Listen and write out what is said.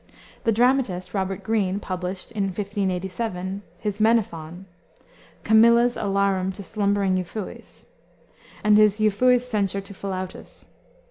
The dramatist, Robert Greene, published, in 1587, his Menaphon; Camilla's Alarum to Slumbering Euphues, and his Euphues's Censure to Philautus.